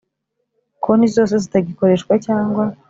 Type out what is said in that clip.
Konti zose zitagikoreshwa cyangwa